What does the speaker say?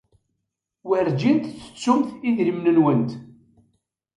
Werjin tettettumt idrimen-nwent.